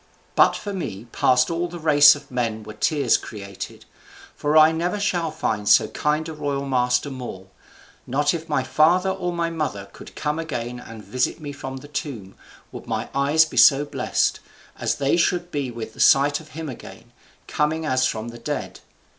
But for me past all the race of men were tears created; for I never shall find so kind a royal master more; not if my father or my mother could come again and visit me from the tomb, would my eyes be so blessed, as they should be with the sight of him again, coming as from the dead.